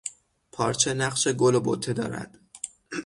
پارچه نقش گل و بته دارد.